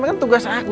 itu kan tugas aku